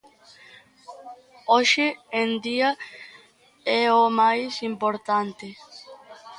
Hoxe en día é o máis importante.